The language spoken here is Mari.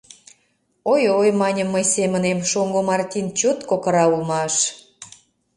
— Ой-ой, — маньым мый семынем, — шоҥго Мартин чот кокыра улмаш.